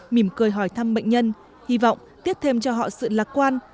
mỉm cười hỏi thăm bệnh nhân hy vọng tiếp thêm cho họ sự lạc quan